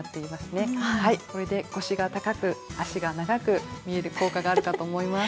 これで腰が高く足が長く見える効果があるかと思います。